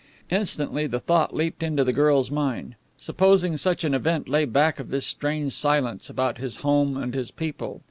Instantly the thought leaped into the girl's mind: Supposing such an event lay back of this strange silence about his home and his people?